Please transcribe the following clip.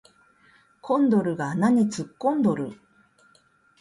コンドルが穴に突っ込んどる